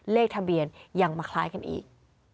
เลขทะเบียนยังมาคล้ายกันอีก